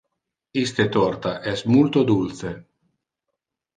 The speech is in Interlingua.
Iste torta es multo dulce.